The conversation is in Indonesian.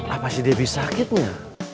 apa si debbie sakitnya